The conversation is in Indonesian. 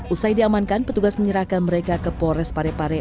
usai diamankan petugas menyerahkan mereka ke polres parepare